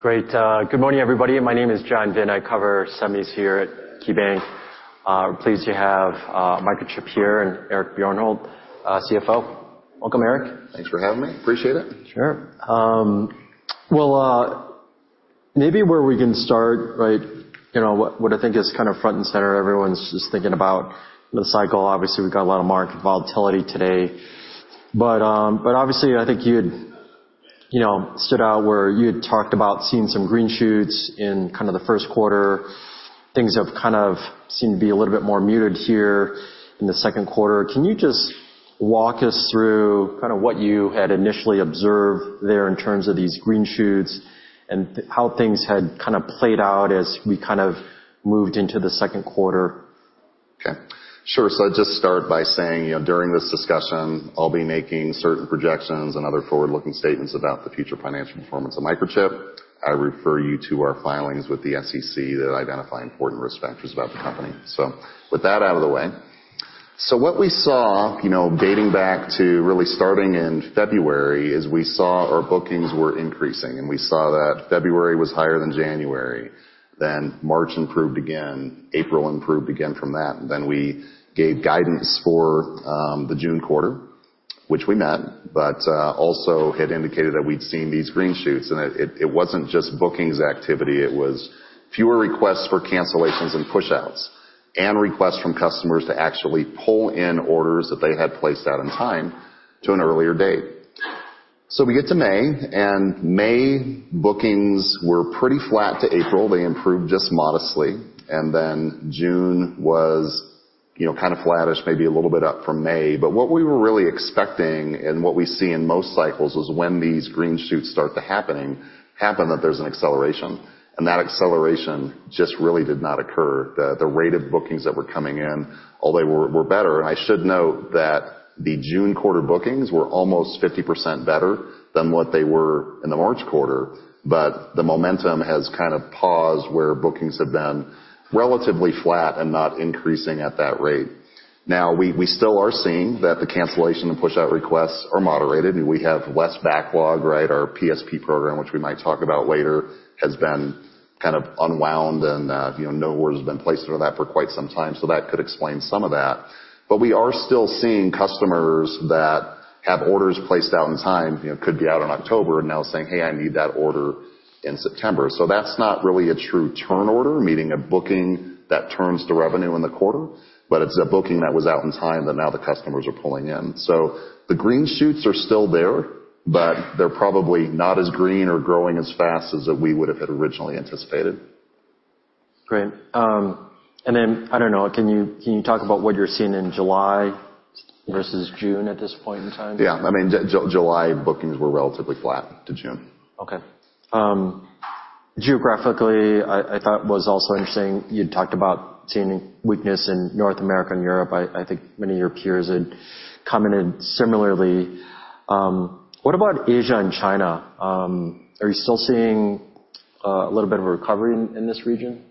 Great. Good morning, everybody. My name is John Vinh. I cover SEMIs here at KeyBanc. I'm pleased to have Microchip here and Eric Bjornholt, CFO. Welcome, Eric. Thanks for having me. Appreciate it. Sure. Well, maybe where we can start, right, what I think is kind of front and center, everyone's just thinking about the cycle. Obviously, we've got a lot of market volatility today. But obviously, I think you had stood out where you had talked about seeing some green shoots in kind of the first quarter. Things have kind of seemed to be a little bit more muted here in the second quarter. Can you just walk us through kind of what you had initially observed there in terms of these green shoots and how things had kind of played out as we kind of moved into the second quarter? Okay. Sure. So I'd just start by saying during this discussion, I'll be making certain projections and other forward-looking statements about the future financial performance of Microchip. I refer you to our filings with the SEC that identify important risk factors about the company. So with that out of the way, so what we saw dating back to really starting in February is we saw our bookings were increasing. And we saw that February was higher than January. Then March improved again. April improved again from that. Then we gave guidance for the June quarter, which we met, but also had indicated that we'd seen these green shoots. And it wasn't just bookings activity. It was fewer requests for cancellations and push-outs and requests from customers to actually pull in orders that they had placed out in time to an earlier date. So we get to May, and May bookings were pretty flat to April. They improved just modestly. And then June was kind of flattish, maybe a little bit up from May. But what we were really expecting and what we see in most cycles is when these green shoots start to happen, that there's an acceleration. And that acceleration just really did not occur. The rate of bookings that were coming in, all they were better. And I should note that the June quarter bookings were almost 50% better than what they were in the March quarter. But the momentum has kind of paused where bookings have been relatively flat and not increasing at that rate. Now, we still are seeing that the cancellation and push-out requests are moderated. We have less backlog. Our PSP program, which we might talk about later, has been kind of unwound, and no orders have been placed for that for quite some time. So that could explain some of that. But we are still seeing customers that have orders placed out in time, could be out in October, and now saying, "Hey, I need that order in September." So that's not really a true turn order, meaning a booking that turns to revenue in the quarter, but it's a booking that was out in time that now the customers are pulling in. So the green shoots are still there, but they're probably not as green or growing as fast as we would have originally anticipated. Great. And then, I don't know, can you talk about what you're seeing in July versus June at this point in time? Yeah. I mean, July bookings were relatively flat to June. Okay. Geographically, I thought it was also interesting. You'd talked about seeing weakness in North America and Europe. I think many of your peers had commented similarly. What about Asia and China? Are you still seeing a little bit of a recovery in this region?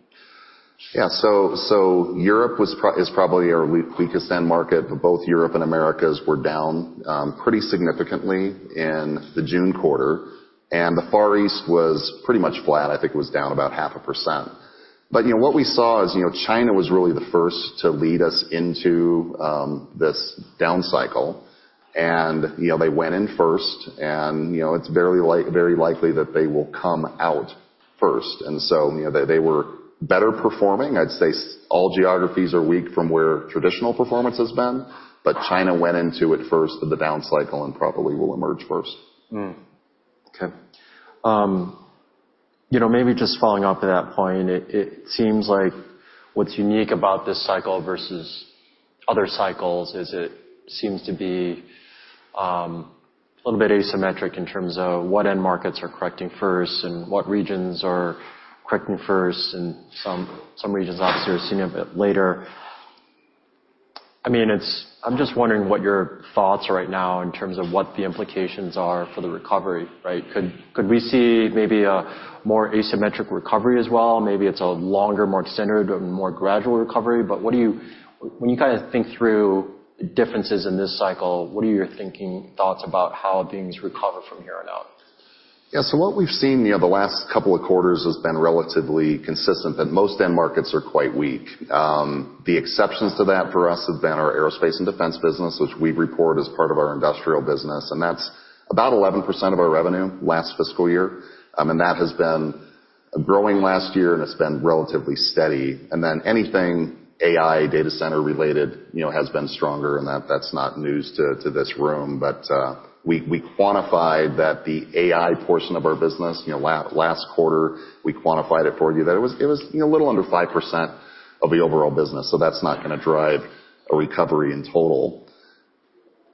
Yeah. So Europe is probably our weakest end market, but both Europe and America were down pretty significantly in the June quarter. And the Far East was pretty much flat. I think it was down about 0.5%. But what we saw is China was really the first to lead us into this down cycle. And they went in first, and it's very likely that they will come out first. And so they were better performing. I'd say all geographies are weak from where traditional performance has been. But China went into it first of the down cycle and probably will emerge first. Okay. Maybe just following up to that point, it seems like what's unique about this cycle versus other cycles is it seems to be a little bit asymmetric in terms of what end markets are correcting first and what regions are correcting first. And some regions, obviously, are seeing it a bit later. I mean, I'm just wondering what your thoughts are right now in terms of what the implications are for the recovery, right? Could we see maybe a more asymmetric recovery as well? Maybe it's a longer, more extended and more gradual recovery. But when you kind of think through differences in this cycle, what are your thinking thoughts about how things recover from here on out? Yeah. So what we've seen the last couple of quarters has been relatively consistent, but most end markets are quite weak. The exceptions to that for us have been our aerospace and defense business, which we report as part of our industrial business. And that's about 11% of our revenue last fiscal year. And that has been growing last year, and it's been relatively steady. And then anything AI data center related has been stronger, and that's not news to this room. But we quantified that the AI portion of our business last quarter, we quantified it for you, that it was a little under 5% of the overall business. So that's not going to drive a recovery in total.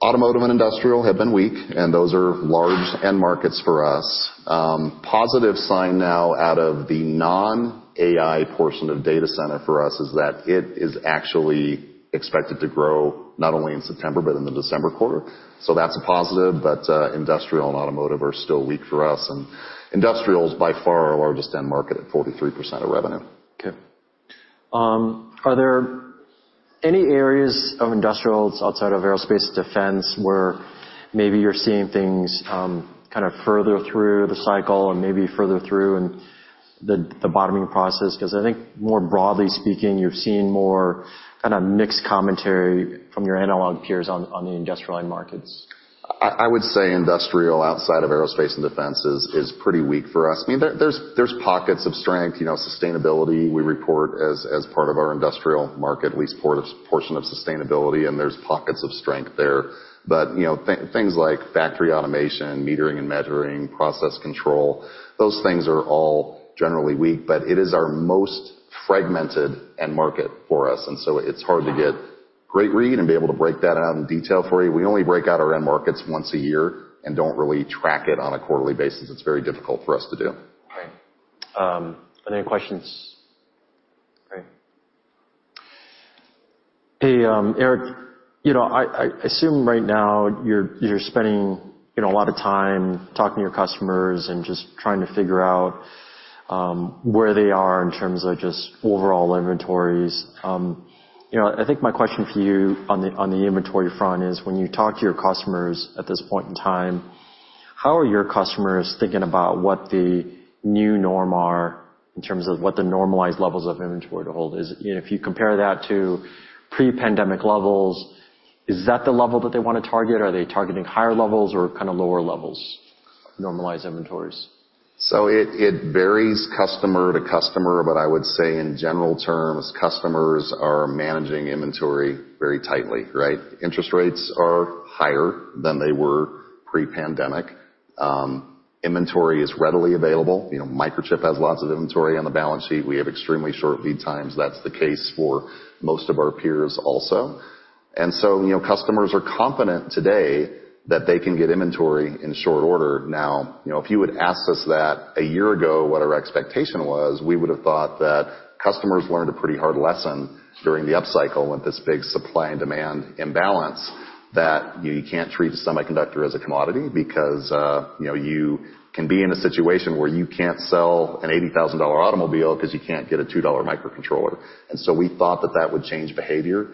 Automotive and industrial have been weak, and those are large end markets for us. Positive sign now out of the non-AI portion of data center for us is that it is actually expected to grow not only in September, but in the December quarter. So that's a positive. But industrial and automotive are still weak for us. And industrial is by far our largest end market at 43% of revenue. Okay. Are there any areas of industrials outside of aerospace defense where maybe you're seeing things kind of further through the cycle or maybe further through in the bottoming process? Because I think more broadly speaking, you've seen more kind of mixed commentary from your analog peers on the industrial end markets. I would say industrial outside of aerospace and defense is pretty weak for us. I mean, there's pockets of strength. Sustainability, we report as part of our industrial market, at least portion of sustainability. There's pockets of strength there. Things like factory automation, metering and measuring, process control, those things are all generally weak. It is our most fragmented end market for us. And so it's hard to get great read and be able to break that out in detail for you. We only break out our end markets once a year and don't really track it on a quarterly basis. It's very difficult for us to do. Okay. Any questions? Great. Hey, Eric, I assume right now you're spending a lot of time talking to your customers and just trying to figure out where they are in terms of just overall inventories. I think my question for you on the inventory front is when you talk to your customers at this point in time, how are your customers thinking about what the new norm are in terms of what the normalized levels of inventory to hold? If you compare that to pre-pandemic levels, is that the level that they want to target? Are they targeting higher levels or kind of lower levels of normalized inventories? So it varies customer to customer, but I would say in general terms, customers are managing inventory very tightly, right? Interest rates are higher than they were pre-pandemic. Inventory is readily available. Microchip has lots of inventory on the balance sheet. We have extremely short lead times. That's the case for most of our peers also. And so customers are confident today that they can get inventory in short order. Now, if you had asked us that a year ago, what our expectation was, we would have thought that customers learned a pretty hard lesson during the upcycle with this big supply and demand imbalance that you can't treat a semiconductor as a commodity because you can be in a situation where you can't sell an $80,000 automobile because you can't get a $2 microcontroller. And so we thought that that would change behavior.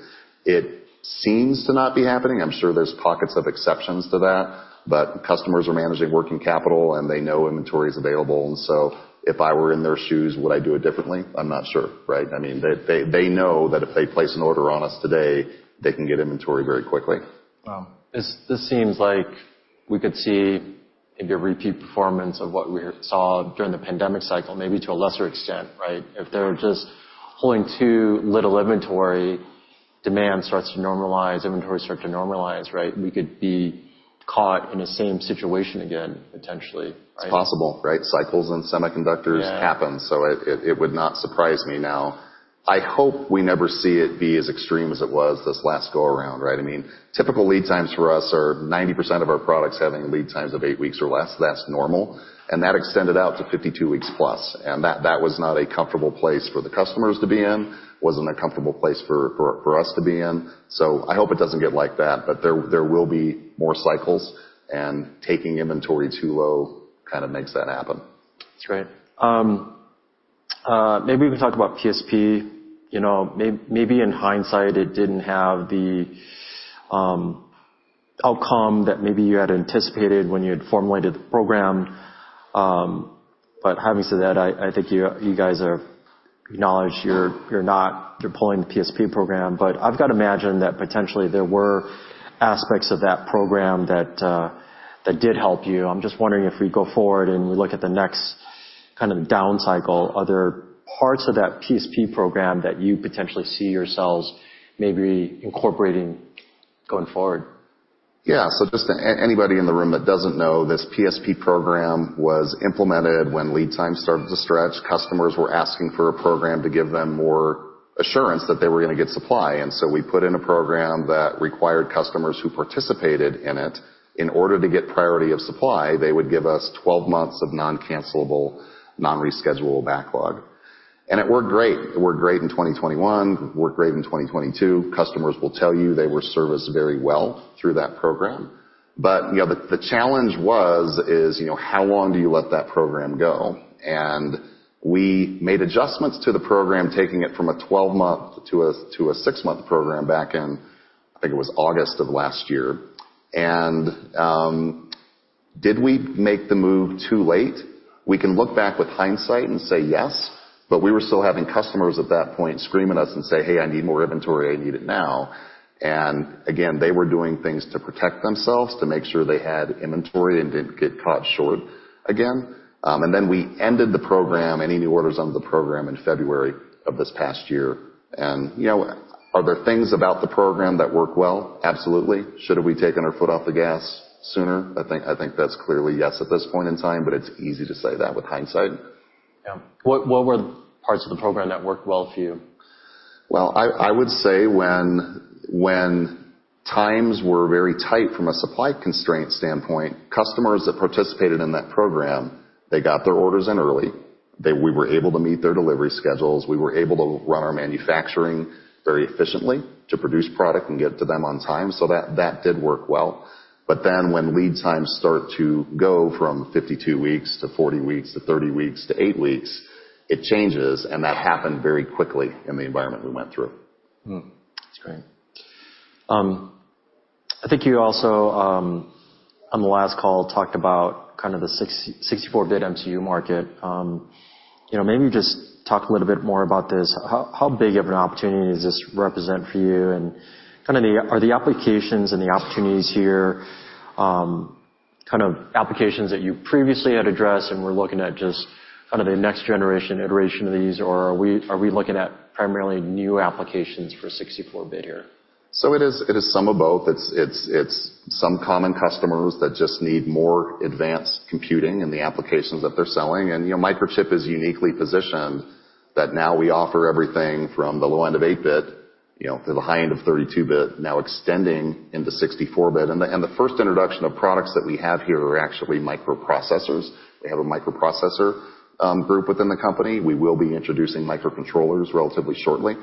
It seems to not be happening. I'm sure there's pockets of exceptions to that, but customers are managing working capital, and they know inventory is available. And so if I were in their shoes, would I do it differently? I'm not sure, right? I mean, they know that if they place an order on us today, they can get inventory very quickly. Wow. This seems like we could see maybe a repeat performance of what we saw during the pandemic cycle, maybe to a lesser extent, right? If they're just pulling too little inventory, demand starts to normalize, inventory starts to normalize, right? We could be caught in the same situation again, potentially. It's possible, right? Cycles in semiconductors happen. So it would not surprise me now. I hope we never see it be as extreme as it was this last go-around, right? I mean, typical lead times for us are 90% of our products having lead times of eight weeks or less. That's normal. And that extended out to 52 weeks+. And that was not a comfortable place for the customers to be in, wasn't a comfortable place for us to be in. So I hope it doesn't get like that, but there will be more cycles. And taking inventory too low kind of makes that happen. That's great. Maybe we can talk about PSP. Maybe in hindsight, it didn't have the outcome that maybe you had anticipated when you had formulated the program. But having said that, I think you guys acknowledge you're not pulling the PSP program. But I've got to imagine that potentially there were aspects of that program that did help you. I'm just wondering if we go forward and we look at the next kind of down cycle, are there parts of that PSP program that you potentially see yourselves maybe incorporating going forward? Yeah. So just anybody in the room that doesn't know, this PSP program was implemented when lead times started to stretch. Customers were asking for a program to give them more assurance that they were going to get supply. And so we put in a program that required customers who participated in it. In order to get priority of supply, they would give us 12 months of non-cancelable, non-reschedulable backlog. And it worked great. It worked great in 2021. It worked great in 2022. Customers will tell you they were serviced very well through that program. But the challenge was, how long do you let that program go? And we made adjustments to the program, taking it from a 12-month to a 6-month program back in, I think it was August of last year. And did we make the move too late? We can look back with hindsight and say yes, but we were still having customers at that point scream at us and say, "Hey, I need more inventory. I need it now." And again, they were doing things to protect themselves to make sure they had inventory and didn't get caught short again. And then we ended the program, any new orders under the program in February of this past year. And are there things about the program that work well? Absolutely. Should have we taken our foot off the gas sooner? I think that's clearly yes at this point in time, but it's easy to say that with hindsight. Yeah. What were the parts of the program that worked well for you? Well, I would say when times were very tight from a supply constraint standpoint, customers that participated in that program, they got their orders in early. We were able to meet their delivery schedules. We were able to run our manufacturing very efficiently to produce product and get it to them on time. So that did work well. But then when lead times start to go from 52 weeks to 40 weeks to 30 weeks to 8 weeks, it changes. And that happened very quickly in the environment we went through. That's great. I think you also, on the last call, talked about kind of the 64-bit MCU market. Maybe just talk a little bit more about this. How big of an opportunity does this represent for you? And kind of are the applications and the opportunities here kind of applications that you previously had addressed and were looking at just kind of the next generation iteration of these, or are we looking at primarily new applications for 64-bit here? It is some of both. It's some common customers that just need more advanced computing in the applications that they're selling. Microchip is uniquely positioned that now we offer everything from the low end of 8-bit to the high end of 32-bit, now extending into 64-bit. The first introduction of products that we have here are actually microprocessors. We have a microprocessor group within the company. We will be introducing microcontrollers relatively shortly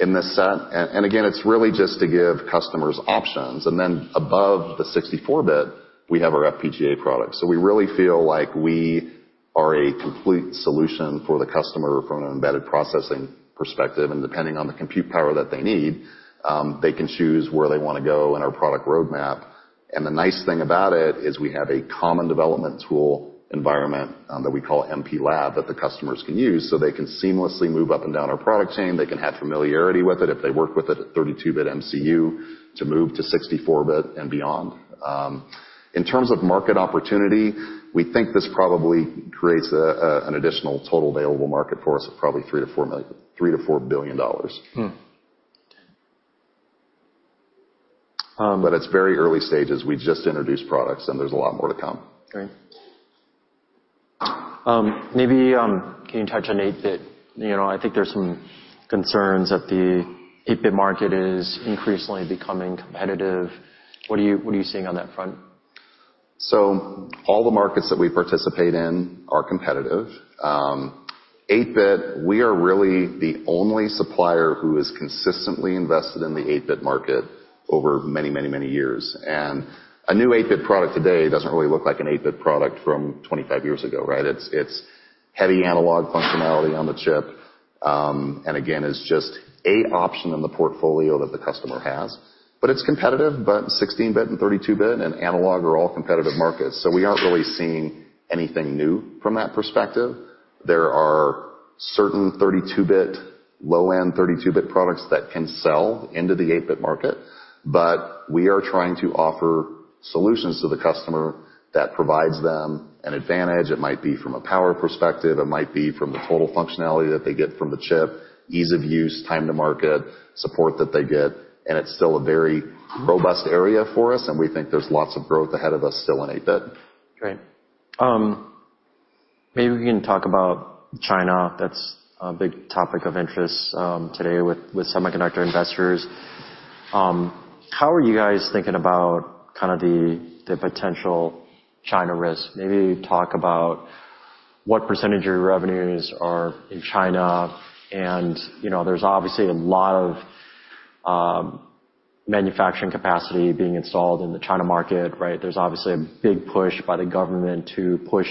in this set. Again, it's really just to give customers options. Then above the 64-bit, we have our FPGA products. We really feel like we are a complete solution for the customer from an embedded processing perspective. Depending on the compute power that they need, they can choose where they want to go in our product roadmap. The nice thing about it is we have a common development tool environment that we call MPLAB that the customers can use. So they can seamlessly move up and down our product chain. They can have familiarity with it if they work with it at 32-bit MCU to move to 64-bit and beyond. In terms of market opportunity, we think this probably creates an additional total available market for us of probably $3 billion-$4 billion. But it's very early stages. We just introduced products, and there's a lot more to come. Great. Maybe can you touch on 8-bit? I think there's some concerns that the 8-bit market is increasingly becoming competitive. What are you seeing on that front? All the markets that we participate in are competitive. 8-bit, we are really the only supplier who is consistently invested in the 8-bit market over many, many, many years. A new 8-bit product today doesn't really look like an 8-bit product from 25 years ago, right? It's heavy analog functionality on the chip. Again, it's just an option in the portfolio that the customer has. It's competitive. 16-bit and 32-bit and analog are all competitive markets. We aren't really seeing anything new from that perspective. There are certain 32-bit, low-end 32-bit products that can sell into the 8-bit market. We are trying to offer solutions to the customer that provides them an advantage. It might be from a power perspective. It might be from the total functionality that they get from the chip, ease of use, time to market, support that they get. It's still a very robust area for us. We think there's lots of growth ahead of us still in 8-bit. Great. Maybe we can talk about China. That's a big topic of interest today with semiconductor investors. How are you guys thinking about kind of the potential China risk? Maybe talk about what percentage of your revenues are in China. And there's obviously a lot of manufacturing capacity being installed in the China market, right? There's obviously a big push by the government to push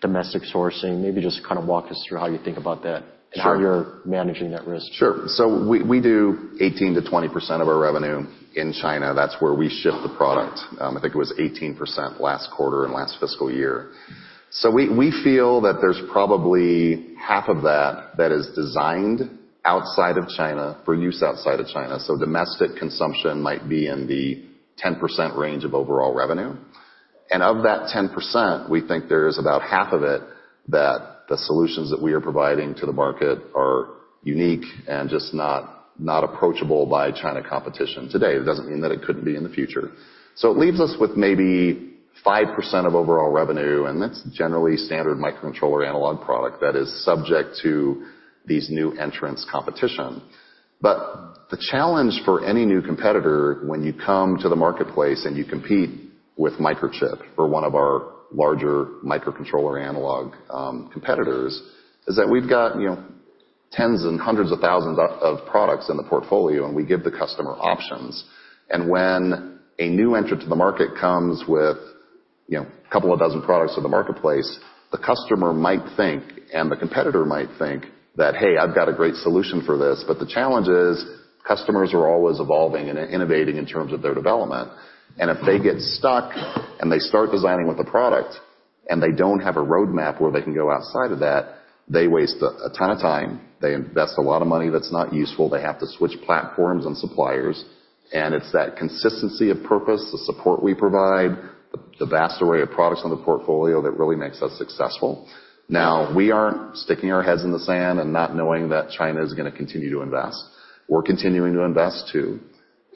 domestic sourcing. Maybe just kind of walk us through how you think about that and how you're managing that risk. Sure. So we do 18%-20% of our revenue in China. That's where we ship the product. I think it was 18% last quarter and last fiscal year. So we feel that there's probably half of that that is designed outside of China for use outside of China. So domestic consumption might be in the 10% range of overall revenue. And of that 10%, we think there is about half of it that the solutions that we are providing to the market are unique and just not approachable by China competition today. It doesn't mean that it couldn't be in the future. So it leaves us with maybe 5% of overall revenue. And that's generally standard microcontroller analog product that is subject to these new entrants' competition. But the challenge for any new competitor when you come to the marketplace and you compete with Microchip, for one of our larger microcontroller analog competitors, is that we've got tens and hundreds of thousands of products in the portfolio, and we give the customer options. And when a new entrant to the market comes with a couple of dozen products to the marketplace, the customer might think, and the competitor might think, that, "Hey, I've got a great solution for this." But the challenge is customers are always evolving and innovating in terms of their development. And if they get stuck and they start designing with a product and they don't have a roadmap where they can go outside of that, they waste a ton of time. They invest a lot of money that's not useful. They have to switch platforms and suppliers. And it's that consistency of purpose, the support we provide, the vast array of products in the portfolio that really makes us successful. Now, we aren't sticking our heads in the sand and not knowing that China is going to continue to invest. We're continuing to invest too.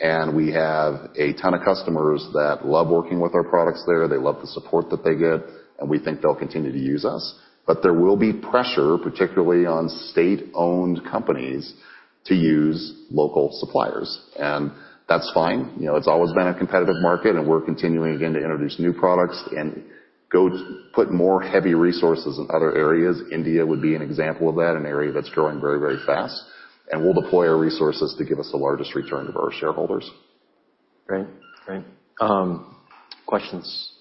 And we have a ton of customers that love working with our products there. They love the support that they get. And we think they'll continue to use us. But there will be pressure, particularly on state-owned companies, to use local suppliers. And that's fine. It's always been a competitive market, and we're continuing again to introduce new products and put more heavy resources in other areas. India would be an example of that, an area that's growing very, very fast. And we'll deploy our resources to give us the largest return to our shareholders. Great. Great. Questions? I just asked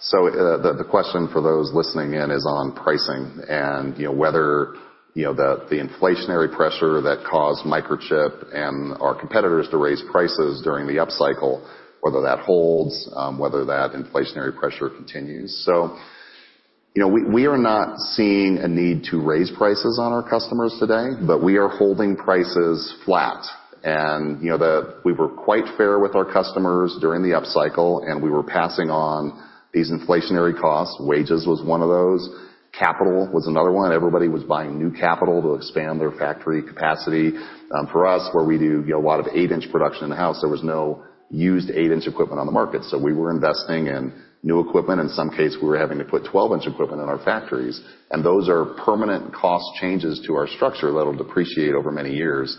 about pricing during the pandemic and the lead time pricing. Was there well above kind of the trend line? Do you expect kind of that trend line type pricing or being in an inflationary environment where pricing stays above that trend line for a period of time? Okay. So the question for those listening in is on pricing and whether the inflationary pressure that caused Microchip and our competitors to raise prices during the upcycle, whether that holds, whether that inflationary pressure continues. So we are not seeing a need to raise prices on our customers today, but we are holding prices flat. And we were quite fair with our customers during the upcycle, and we were passing on these inflationary costs. Wages was one of those. Capital was another one. Everybody was buying new capital to expand their factory capacity. For us, where we do a lot of 8-inch production in-house, there was no used 8-in equipment on the market. So we were investing in new equipment. In some cases, we were having to put 12-in equipment in our factories. Those are permanent cost changes to our structure that will depreciate over many years.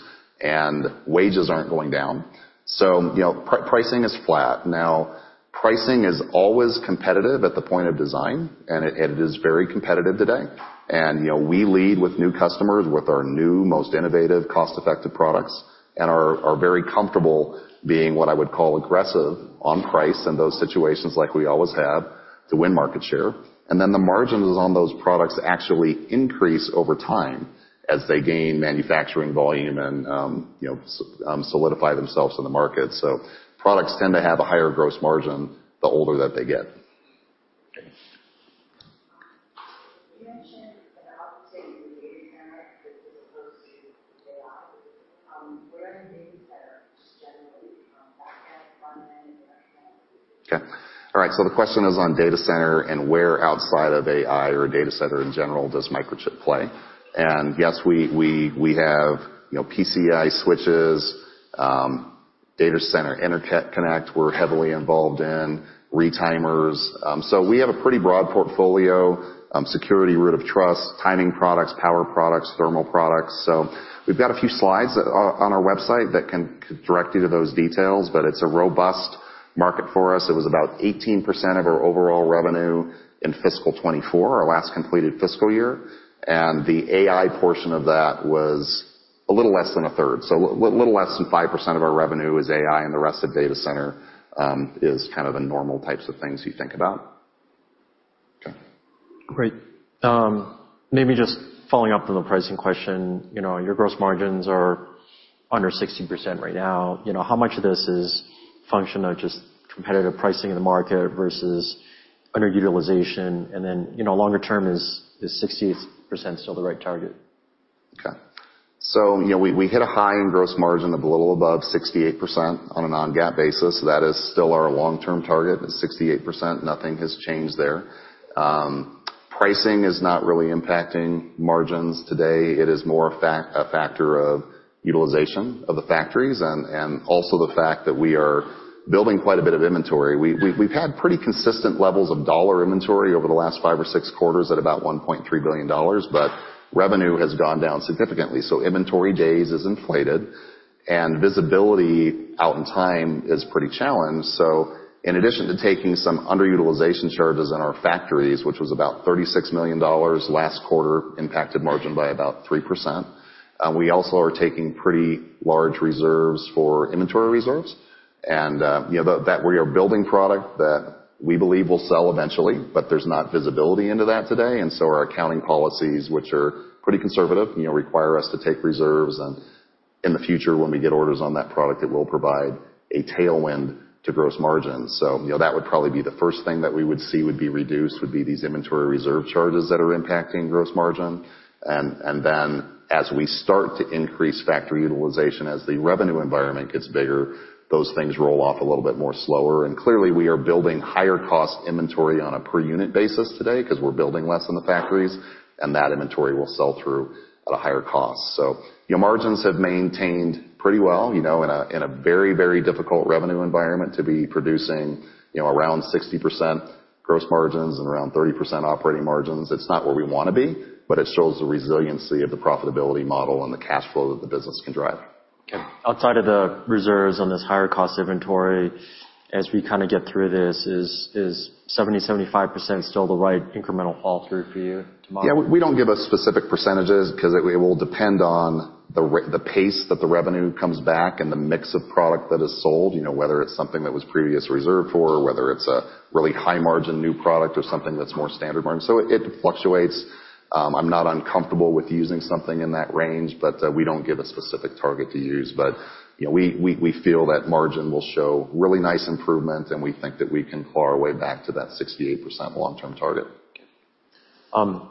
Wages aren't going down. So pricing is flat. Now, pricing is always competitive at the point of design, and it is very competitive today. We lead with new customers with our new, most innovative, cost-effective products and are very comfortable being what I would call aggressive on price in those situations like we always have to win market share. Then the margins on those products actually increase over time as they gain manufacturing volume and solidify themselves in the market. So products tend to have a higher gross margin the older that they get. You mentioned the opportunity with data centers as opposed to AI. Where are data centers just generally? Back end, front end, production end? Okay. All right. So the question is on Data Center and where outside of AI or Data Center in general does Microchip play? And yes, we have PCIe switches, Data Center Interconnect. We're heavily involved in retimers. So we have a pretty broad portfolio: security, Root of Trust, timing products, power products, thermal products. So we've got a few slides on our website that can direct you to those details, but it's a robust market for us. It was about 18% of our overall revenue in fiscal 2024, our last completed fiscal year. And the AI portion of that was a little less than a third. So a little less than 5% of our revenue is AI, and the rest of Data Center is kind of the normal types of things you think about. Okay. Great. Maybe just following up on the pricing question, your gross margins are under 60% right now. How much of this is a function of just competitive pricing in the market versus underutilization? And then longer term, is 60% still the right target? Okay. So we hit a high in gross margin of a little above 68% on a Non-GAAP basis. That is still our long-term target, is 68%. Nothing has changed there. Pricing is not really impacting margins today. It is more a factor of utilization of the factories and also the fact that we are building quite a bit of inventory. We've had pretty consistent levels of dollar inventory over the last 5 or 6 quarters at about $1.3 billion, but revenue has gone down significantly. So inventory days is inflated, and visibility out in time is pretty challenged. So in addition to taking some underutilization charges in our factories, which was about $36 million last quarter, impacted margin by about 3%. We also are taking pretty large reserves for inventory reserves. We are building product that we believe will sell eventually, but there's not visibility into that today. Our accounting policies, which are pretty conservative, require us to take reserves. In the future, when we get orders on that product, it will provide a tailwind to gross margins. So that would probably be the first thing that we would see would be reduced, would be these inventory reserve charges that are impacting gross margin. Then as we start to increase factory utilization, as the revenue environment gets bigger, those things roll off a little bit more slower. Clearly, we are building higher cost inventory on a per unit basis today because we're building less in the factories, and that inventory will sell through at a higher cost. So margins have maintained pretty well. In a very, very difficult revenue environment to be producing around 60% gross margins and around 30% operating margins, it's not where we want to be, but it shows the resiliency of the profitability model and the cash flow that the business can drive. Okay. Outside of the reserves on this higher cost inventory, as we kind of get through this, is 70%-75% still the right incremental all-through for you tomorrow? Yeah. We don't give out specific percentages because it will depend on the pace that the revenue comes back and the mix of product that is sold, whether it's something that was previously reserved for, whether it's a really high-margin new product, or something that's more standard margin. So it fluctuates. I'm not uncomfortable with using something in that range, but we don't give a specific target to use. But we feel that margin will show really nice improvement, and we think that we can claw our way back to that 68% long-term target. Okay.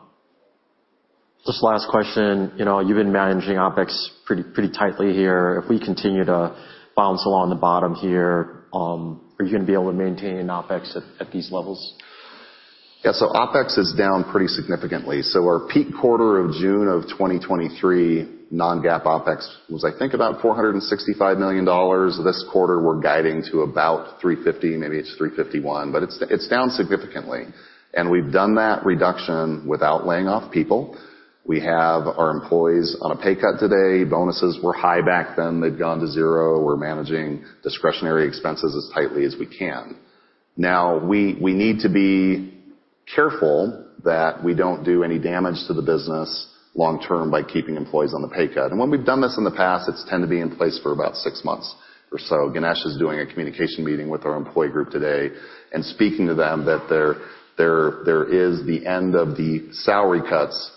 Just last question. You've been managing OpEx pretty tightly here. If we continue to bounce along the bottom here, are you going to be able to maintain OpEx at these levels? Yeah. So OpEx is down pretty significantly. So our peak quarter of June of 2023, non-GAAP OpEx was, I think, about $465 million. This quarter, we're guiding to about $350 million. Maybe it's $351 million, but it's down significantly. And we've done that reduction without laying off people. We have our employees on a pay cut today. Bonuses were high back then. They've gone to zero. We're managing discretionary expenses as tightly as we can. Now, we need to be careful that we don't do any damage to the business long-term by keeping employees on the pay cut. And when we've done this in the past, it's tended to be in place for about six months or so. Ganesh is doing a communication meeting with our employee group today and speaking to them that there is the end of the salary cuts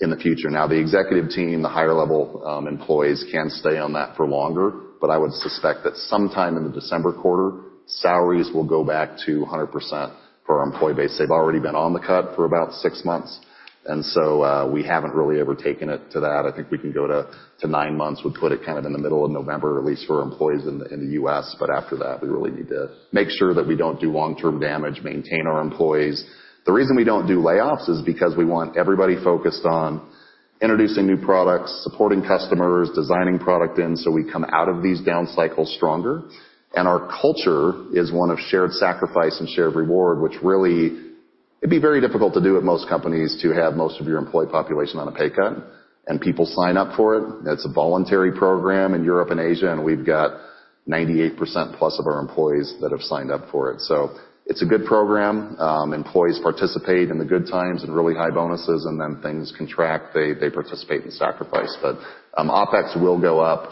in the future. Now, the executive team, the higher-level employees can stay on that for longer, but I would suspect that sometime in the December quarter, salaries will go back to 100% for our employee base. They've already been on the cut for about six months. And so we haven't really ever taken it to that. I think we can go to nine months. We'd put it kind of in the middle of November, at least for our employees in the U.S. But after that, we really need to make sure that we don't do long-term damage, maintain our employees. The reason we don't do layoffs is because we want everybody focused on introducing new products, supporting customers, designing product in so we come out of these down cycles stronger. Our culture is one of shared sacrifice and shared reward, which really it'd be very difficult to do at most companies to have most of your employee population on a pay cut. And people sign up for it. It's a voluntary program in Europe and Asia, and we've got 98%+ of our employees that have signed up for it. So it's a good program. Employees participate in the good times and really high bonuses, and then things contract, they participate in sacrifice. But OpEx will go up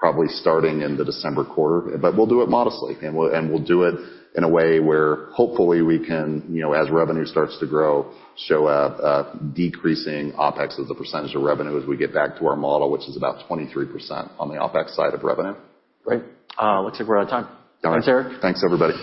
probably starting in the December quarter, but we'll do it modestly. And we'll do it in a way where hopefully we can, as revenue starts to grow, show a decreasing OpEx as a percentage of revenue as we get back to our model, which is about 23% on the OpEx side of revenue. Great. Looks like we're out of time. All right. Thanks, Eric. Thanks, everybody.